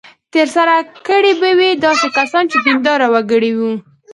ترسره کړې به وي داسې کسانو چې دینداره وګړي وو.